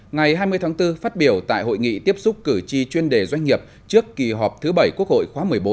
ngày hai mươi tháng bốn phát biểu tại hội nghị tiếp xúc cử tri chuyên đề doanh nghiệp trước kỳ họp thứ bảy quốc hội khóa một mươi bốn